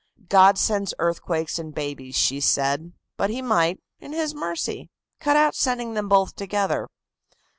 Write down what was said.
"God sends earthquakes and babies," she said, "but He might, in His mercy, cut out sending them both together."